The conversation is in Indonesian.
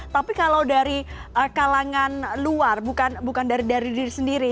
tapi kalau dari kalangan luar bukan dari diri sendiri